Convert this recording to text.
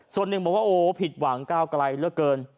ส่วนหนึ่งบอกว่าโอ้โหผิดหวังก้าวกลายเกิน